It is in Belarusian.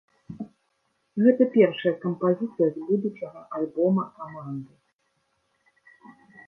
Гэта першая кампазіцыя з будучага альбома каманды.